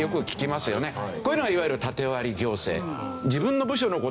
こういうのがいわゆるタテ割り行政。